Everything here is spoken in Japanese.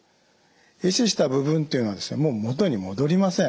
え死した部分というのはもう元に戻りません。